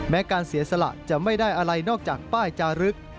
การเสียสละจะไม่ได้อะไรนอกจากป้ายจารึก